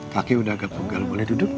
kaki udah agak pegal boleh duduk